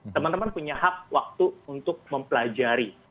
teman teman punya hak waktu untuk mempelajari